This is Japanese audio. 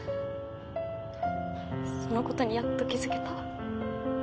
そのことにやっと気付けた。